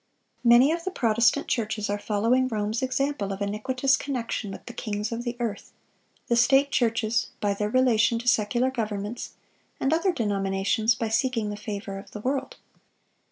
(630) Many of the Protestant churches are following Rome's example of iniquitous connection with "the kings of the earth"—the state churches, by their relation to secular governments; and other denominations, by seeking the favor of the world.